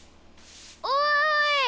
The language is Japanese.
おい！